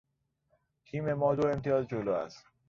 تیم ما دو امتیاز جلو است.